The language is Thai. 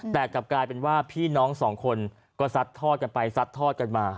แต่กลับกลายเป็นว่าพี่น้องสองคนก็ซัดทอดกันไปซัดทอดกันมา